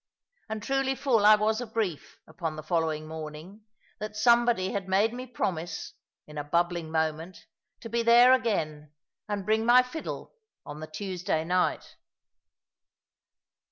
And truly full I was of grief, upon the following morning, that somebody had made me promise, in a bubbling moment, to be there again, and bring my fiddle, on the Tuesday night.